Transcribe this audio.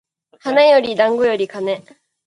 花より団子より金